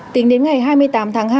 tính đến ngày hai mươi tám tháng hai